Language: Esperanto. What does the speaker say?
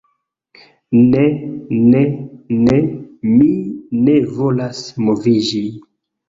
Ne... ne... ne... mi ne volas moviĝi...